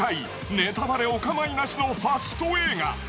ネタバレお構いなしのファスト映画。